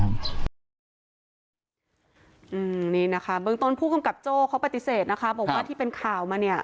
อืมนี่นะคะเบื้องต้นผู้กำกับโจ้เขาปฏิเสธนะคะบอกว่าที่เป็นข่าวมาเนี่ย